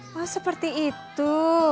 wah seperti itu